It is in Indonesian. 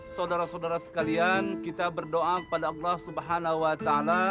saudara saudara sekalian kita berdoa kepada allah swt